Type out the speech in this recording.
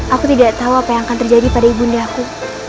aku tidak tahu apa yang akan terjadi pada ibundaku